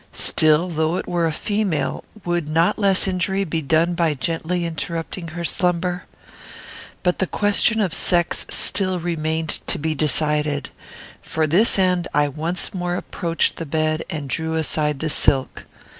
Still, though it were a female, would not less injury be done by gently interrupting her slumber? But the question of sex still remained to be decided. For this end I once more approached the bed, and drew aside the silk.